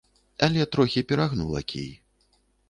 Але трохі перагнула кій.